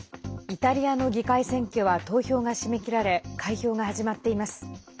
イタリアの議会選挙は投票が締め切られ開票が始まっています。